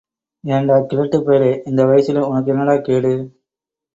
ஏண்டா கிழட்டுப் பயலே... இந்த வயசிலே... ஒனக்கு என்னடா கேடு...?